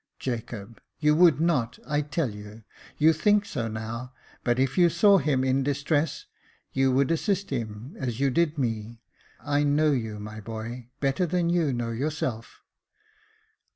" Jacob, you would not, I tell you — you think so now, but if you saw him in distress, you would assist him as you did me. I know you, my boy, better than you know yourself."